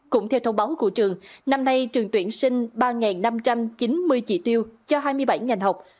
cũng theo thông báo của trường năm nay trường tuyển sinh ba năm trăm chín mươi trị tiêu cho hai mươi bảy ngành học